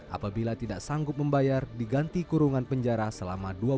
apabila tidak sanggup membayar diganti kurungan penjara selama dua bulan